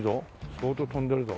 相当跳んでるぞ。